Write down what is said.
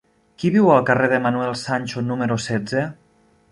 Qui viu al carrer de Manuel Sancho número setze?